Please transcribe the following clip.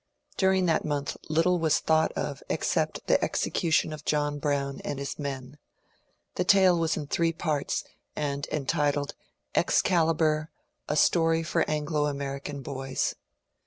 Dur ing that month little was thought of except the execution of John Brown and his men. The tale was in three parts, and entitled *^ Excalibur : A Story for Anglo American Boys."